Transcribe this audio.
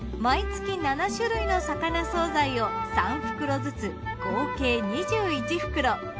毎月７種類の魚惣菜を３袋ずつ合計２１袋。